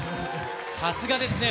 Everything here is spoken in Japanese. さすがですね。